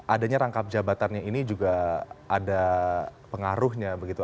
adanya rangkap jabatannya ini juga ada pengaruhnya begitu